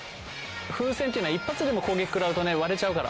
ふうせんっていうのは１発でも攻撃くらうとね割れちゃうから。